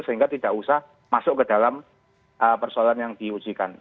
sehingga tidak usah masuk ke dalam persoalan yang diujikan